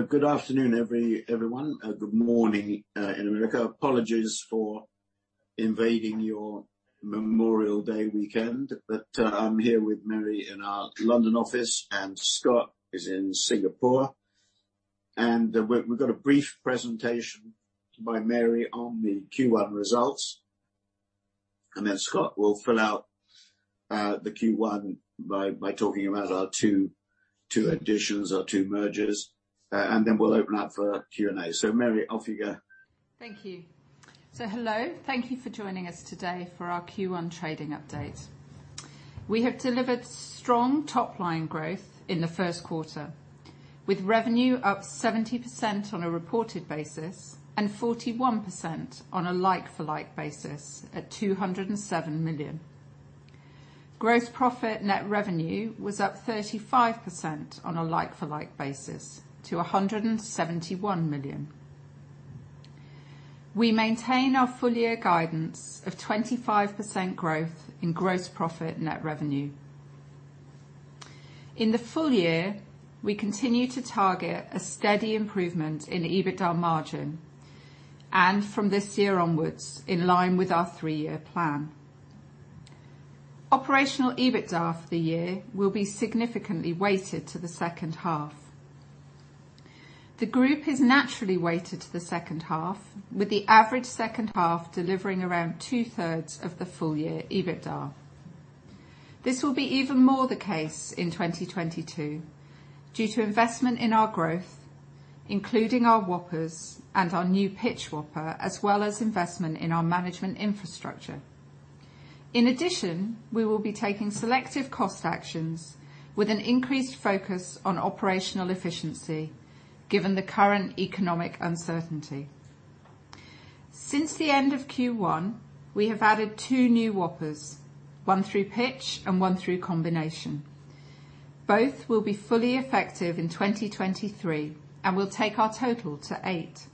Good afternoon, everyone. Good morning in America. Apologies for invading your Memorial Day weekend. I'm here with Mary in our London office, and Scott is in Singapore. We've got a brief presentation by Mary on the Q1 results. Then Scott will fill out the Q1 by talking about our two additions, our two mergers. Then we'll open up for Q&A. Mary, off you go. Thank you. Hello. Thank you for joining us today for our Q1 trading update. We have delivered strong top-line growth in the first quarter, with revenue up 70% on a reported basis and 41% on a like-for-like basis at 207 million. Gross profit net revenue was up 35% on a like-for-like basis to 171 million. We maintain our full year guidance of 25% growth in gross profit net revenue. In the full year, we continue to target a steady improvement in EBITDA margin, and from this year onwards, in line with our three-year plan. Operational EBITDA for the year will be significantly weighted to the second half. The group is naturally weighted to the second half, with the average second half delivering around two-thirds of the full year EBITDA. This will be even more the case in 2022 due to investment in our growth, including our whoppers and our new pitch whopper, as well as investment in our management infrastructure. In addition, we will be taking selective cost actions with an increased focus on operational efficiency given the current economic uncertainty. Since the end of Q1, we have added two new whoppers, one through pitch and one through combination. Both will be fully effective in 2023 and will take our total to eight.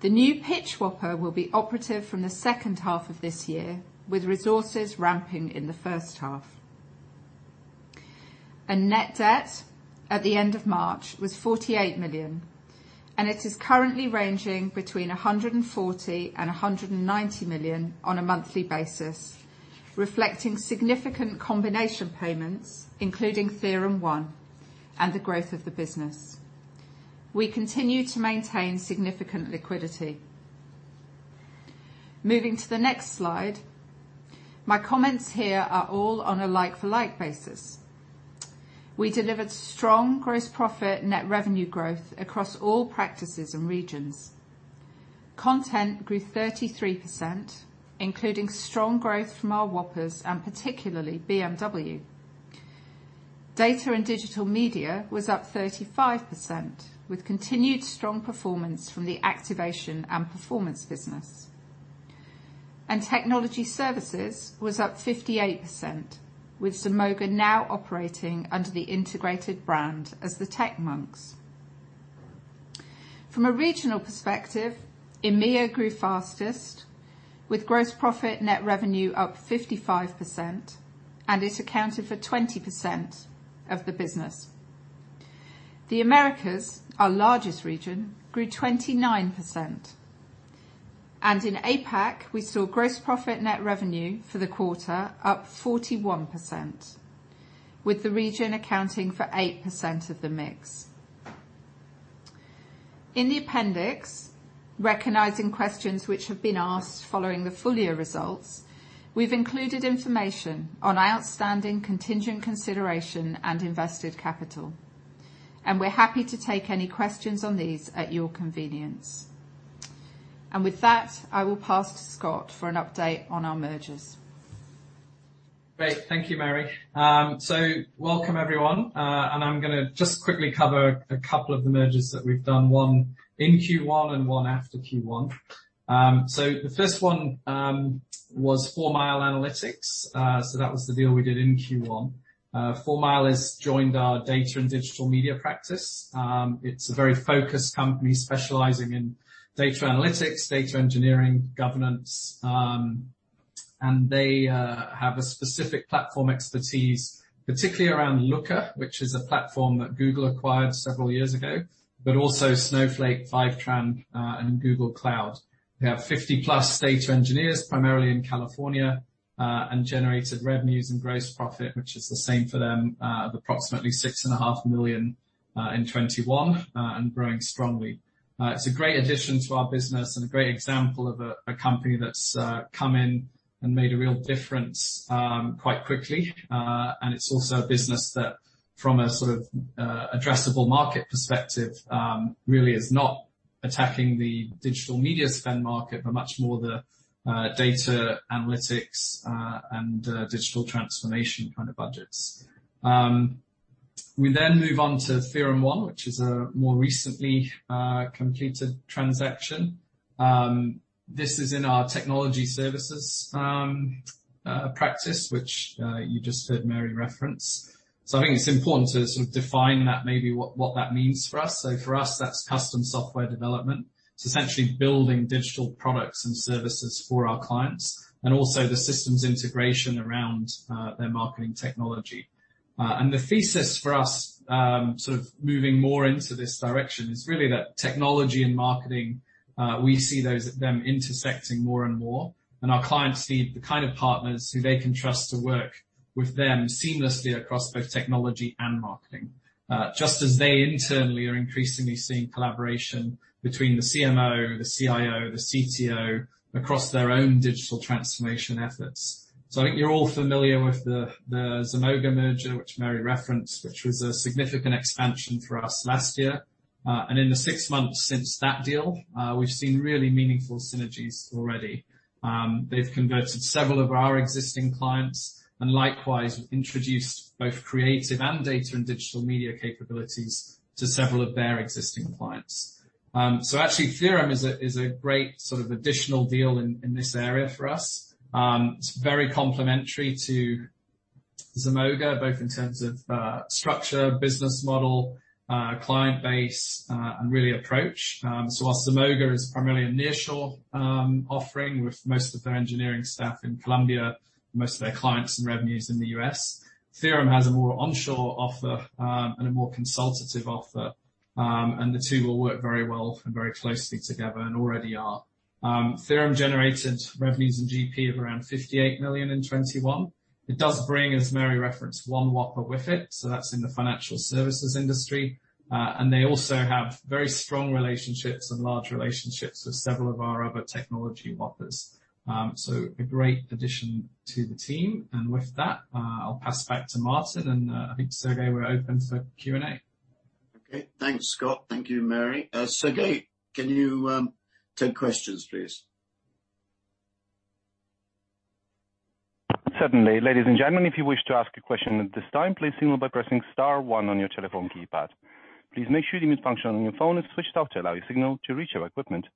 The new pitch whopper will be operative from the second half of this year, with resources ramping in the first half. Net debt at the end of March was 48 million, and it is currently ranging between 140 million and 190 million on a monthly basis, reflecting significant combination payments, including TheoremOne and the growth of the business. We continue to maintain significant liquidity. Moving to the next slide. My comments here are all on a like-for-like basis. We delivered strong gross profit net revenue growth across all practices and regions. Content grew 33%, including strong growth from our whoppers and particularly BMW. Data & Digital Media was up 35%, with continued strong performance from the activation and performance business. Technology Services was up 58%, with Zemoga now operating under the integrated brand as the Media.Monks. From a regional perspective, EMEA grew fastest with gross profit net revenue up 55%, and it accounted for 20% of the business. The Americas, our largest region, grew 29%. In APAC, we saw gross profit net revenue for the quarter up 41%, with the region accounting for 8% of the mix. In the appendix, recognizing questions which have been asked following the full year results, we've included information on outstanding contingent consideration and invested capital, and we're happy to take any questions on these at your convenience. With that, I will pass to Scott for an update on our mergers. Great. Thank you, Mary. Welcome, everyone. I'm gonna just quickly cover a couple of the mergers that we've done, one in Q1 and one after Q1. The first one was 4 Mile Analytics. That was the deal we did in Q1. 4 Mile Analytics has joined our data and digital media practice. It's a very focused company specializing in data analytics, data engineering, governance, and they have a specific platform expertise, particularly around Looker, which is a platform that Google acquired several years ago, but also Snowflake, Fivetran, and Google Cloud. They have 50-plus data engineers, primarily in California, and generated revenues and gross profit, which is the same for them, of approximately $6.5 million in 2021, and growing strongly. It's a great addition to our business and a great example of a company that's come in and made a real difference, quite quickly. It's also a business that from a sort of addressable market perspective, really is not attacking the digital media spend market, but much more the data analytics and digital transformation kind of budgets. We move on to TheoremOne, which is a more recently completed transaction. This is in our Technology Services practice, which you just heard Mary reference. I think it's important to sort of define that maybe what that means for us. For us, that's custom software development. Essentially building digital products and services for our clients and also the systems integration around their marketing technology. The thesis for us sort of moving more into this direction is really that technology and marketing we see them intersecting more and more, and our clients need the kind of partners who they can trust to work with them seamlessly across both technology and marketing. Just as they internally are increasingly seeing collaboration between the CMO, the CIO, the CTO across their own digital transformation efforts. I think you're all familiar with the Zemoga merger, which Mary referenced, which was a significant expansion for us last year. In the six months since that deal, we've seen really meaningful synergies already. They've converted several of our existing clients and likewise introduced both creative and data and digital media capabilities to several of their existing clients. Actually TheoremOne is a great sort of additional deal in this area for us. It's very complementary to Zemoga, both in terms of structure, business model, client base, and really approach. While Zemoga is primarily a nearshore offering with most of their engineering staff in Colombia, most of their clients and revenues in the US. TheoremOne has a more onshore offer and a more consultative offer. The two will work very well and very closely together and already are. TheoremOne generated revenues and GP of around $58 million in 2021. It does bring, as Mary referenced, one whopper with it, so that's in the financial services industry. They also have very strong relationships and large relationships with several of our other technology whoppers. A great addition to the team. With that, I'll pass it back to Martin and, I think, Sergey, we're open to Q&A. Okay. Thanks, Scott. Thank you, Mary. Sergey, can you take questions, please? Certainly. Ladies and gentlemen, if you wish to ask a question at this time, please signal by pressing star one on your telephone keypad. Please make sure the mute function on your phone is switched off to allow your signal to reach our equipment.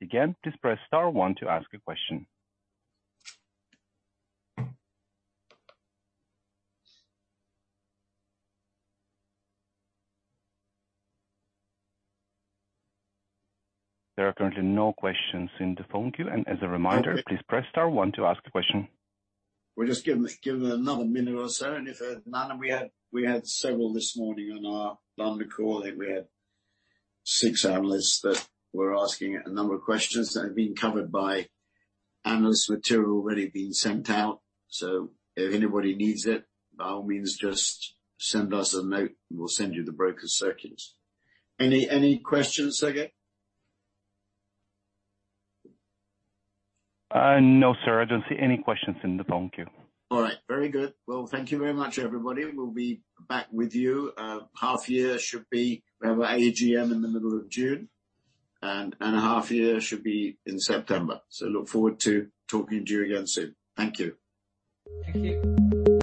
Again, just press star one to ask a question. There are currently no questions in the phone queue. As a reminder please press star one to ask a question. Okay. Please press star one to ask a question. We'll just give it another minute or so, and if none. We had several this morning on our London call. I think we had six analysts that were asking a number of questions that have been covered by analysts' material already being sent out. If anybody needs it, by all means, just send us a note and we'll send you the broker circulars. Any questions, Sergey? No, sir. I don't see any questions in the phone queue. All right. Very good. Well, thank you very much, everybody. We'll be back with you, half year should be. We have our AGM in the middle of June, and half year should be in September. Look forward to talking to you again soon. Thank you. Thank you.